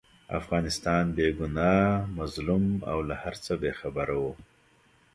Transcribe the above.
افغانستان بې ګناه، مظلوم او له هرڅه بې خبره وو.